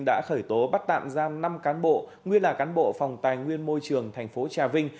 đã khởi tố bắt tạm giam năm cán bộ nguyên là cán bộ phòng tài nguyên môi trường tp trà vinh